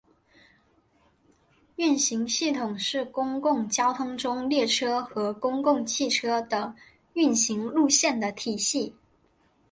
运行系统是公共交通中列车和公共汽车的运行路线的体系。